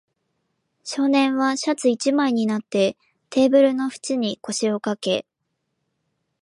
少年はシャツ一枚になって、テーブルの縁に腰をかけ、